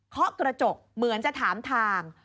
เคาะกระจกเหมือนจะถามทาง